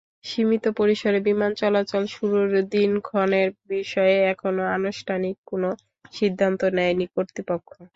সীমিত পরিসরে বিমান চলাচল শুরুর দিনক্ষণের বিষয়ে এখনো আনুষ্ঠানিক কোনো সিদ্ধান্ত নেয়নি কর্তৃপক্ষ।